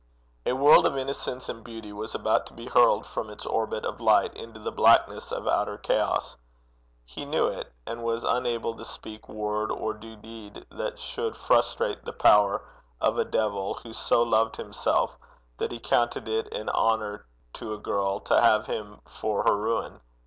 A world of innocence and beauty was about to be hurled from its orbit of light into the blackness of outer chaos; he knew it, and was unable to speak word or do deed that should frustrate the power of a devil who so loved himself that he counted it an honour to a girl to have him for her ruin.